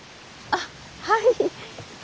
あっはい。